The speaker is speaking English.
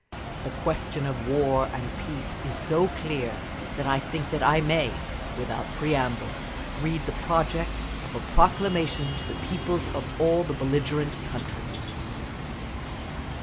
The question of War and Peace is so clear that I think that I may, without preamble, read the project of a Proclamation to the Peoples of All the Belligerent Countries…."